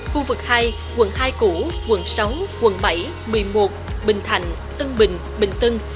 khu vực hai quận hai củ quận sáu quận bảy một mươi một bình thạnh tân bình bình tân